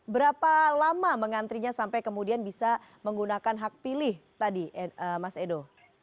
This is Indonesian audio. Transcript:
berapa lama mengantrinya sampai kemudian bisa menggunakan hak pilih tadi mas edo